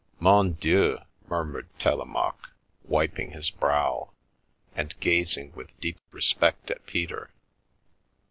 "" Mon Dieu," murmured Telemaque, wiping his brow, and gazing with deep respect at Peter.